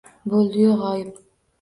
Bo’ldiyu g’oyib